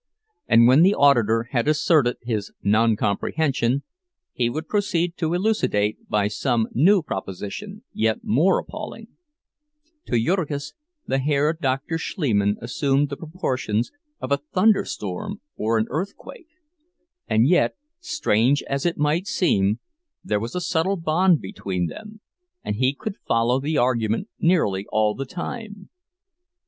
And when the auditor had asserted his non comprehension, he would proceed to elucidate by some new proposition, yet more appalling. To Jurgis the Herr Dr. Schliemann assumed the proportions of a thunderstorm or an earthquake. And yet, strange as it might seem, there was a subtle bond between them, and he could follow the argument nearly all the time.